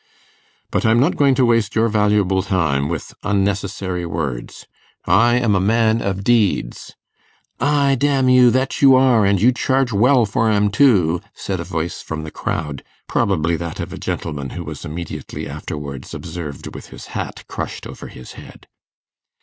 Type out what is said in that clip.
'But I'm not going to waste your valuable time with unnecessary words. I am a man of deeds' ('Ay, damn you, that you are, and you charge well for 'em too,' said a voice from the crowd, probably that of a gentleman who was immediately afterwards observed with his hat crushed over his head.)